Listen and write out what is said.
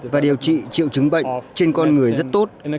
và điều trị triệu chứng bệnh trên con người rất tốt